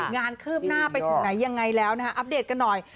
คืบหน้าไปถึงไหนยังไงแล้วนะคะอัปเดตกันหน่อย